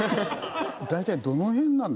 大体どの辺なんだ？